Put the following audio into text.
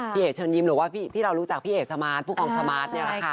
พี่เอ๋เชินยิ้มหรือว่าที่เรารู้จักพี่เอ๋สมาร์ดผู้แต่งสมาร์ท